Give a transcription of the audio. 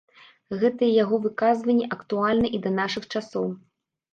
Гэтыя яго выказванні актуальны і да нашых часоў.